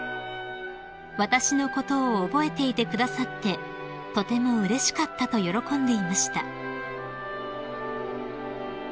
［「私のことを覚えていてくださってとてもうれしかった」と喜んでいました］